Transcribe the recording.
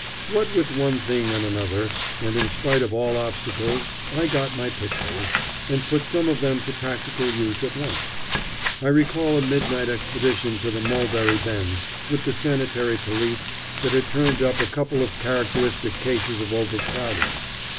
What with one thing and another, and in spite of all obstacles, I got my pictures, and put some of them to practical use at once. I recall a midnight expedition to the Mulberry Bend with the sanitary police that had turned up a couple of characteristic cases of overcrowding.